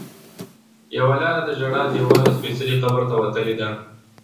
یوه لاره د ژړا دیوال او سپېڅلي قبر ته وتلې ده.